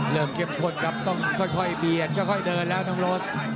เข้มข้นครับต้องค่อยเบียดค่อยเดินแล้วน้องรถ